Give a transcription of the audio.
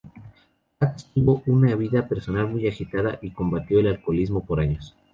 Katz tuvo una vida personal muy agitada y combatió el alcoholismo por años.